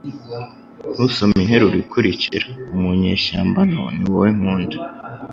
Ntusome interuro ikurikira. Mu nyeshyamba nto, ni wowe nkunda.